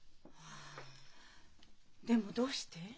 ああでもどうして？